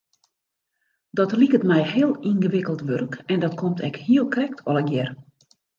Dat liket my heel yngewikkeld wurk en dat komt ek hiel krekt allegear.